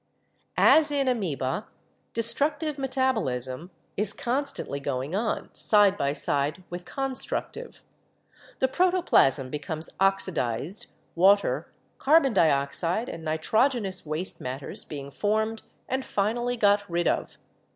"As in Amoeba, destructive metabolism is constantly going on, side by side with constructive. The protoplasm becomes oxidized, water, carbon dioxide and nitrogenous waste matters being formed and finally got rid of.